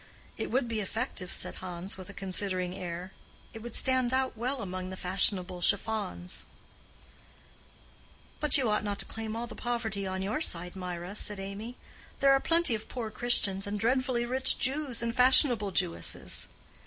"It would be effective," said Hans, with a considering air; "it would stand out well among the fashionable chiffons." "But you ought not to claim all the poverty on your side, Mirah," said Amy. "There are plenty of poor Christians and dreadfully rich Jews and fashionable Jewesses."